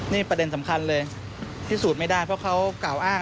นี่ประเด็นสำคัญเลยพิสูจน์ไม่ได้เพราะเขากล่าวอ้าง